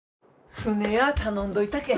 船や頼んどいたけん。